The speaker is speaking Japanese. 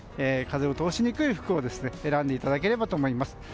風を通しにくい服を選んでいただければと思います。